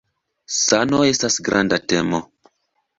Sano estas granda temo.